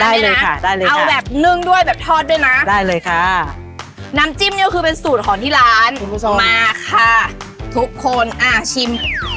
ได้เลยค่ะได้เลยค่ะน้ำจิ้มน้ำจิ้มนี้คือเป็นสูตรของที่ร้านมาคะทุกคนอ่ะชิม